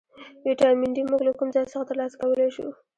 ویټامین ډي موږ له کوم ځای څخه ترلاسه کولی شو